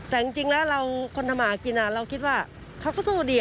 แต่จริงแล้วเราคนทำหากินเราคิดว่าเขาก็สู้ดี